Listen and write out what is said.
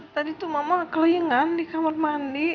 tadi tuh mama kelien kan dikamer mandi